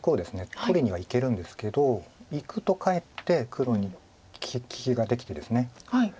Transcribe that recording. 取りにはいけるんですけどいくとかえって黒に利きができてですね